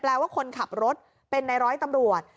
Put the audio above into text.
ว่าคนขับรถเป็นในร้อยตำรวจ